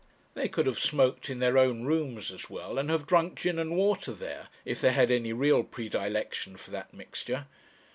They could have smoked in their own rooms as well, and have drunk gin and water there, if they had any real predilection for that mixture.